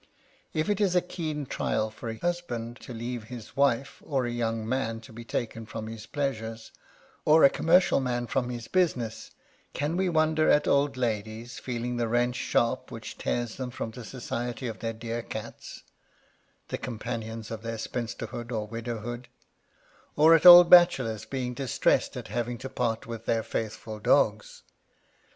If it is a keen trial for a husband to leave his wife, for a young man to be taken from his pleasures, or a commercial man from his business, can we wonder at old ladies feeling the wrench sharp which tears them from the society of their dear cats — the companions of their spinsterhood or widowhood ; or at old bachelors being distressed at having to part with their faithful dogs